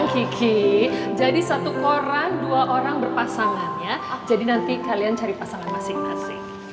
kiki jadi satu koran dua orang berpasangan ya jadi nanti kalian cari pasangan masing masing